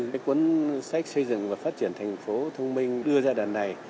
cái cuốn sách xây dựng và phát triển thành phố thông minh đưa ra đợt này